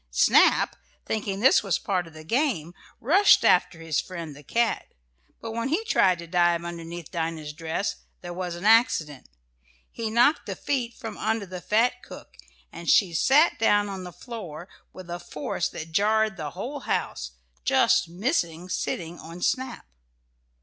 Snap, thinking this was part of the game, rushed after his friend the cat, but when he tried to dive underneath Dinah's dress there was an accident. He knocked the feet from under the fat cook, and she sat down on the floor with a force that jarred the whole house, just missing sitting on Snap.